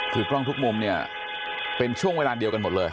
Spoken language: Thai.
คือกล้องทุกมุมเนี่ยเป็นช่วงเวลาเดียวกันหมดเลย